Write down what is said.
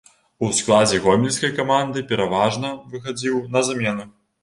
У складзе гомельскай каманды пераважна выхадзіў на замену.